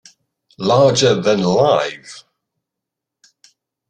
Larger than Live.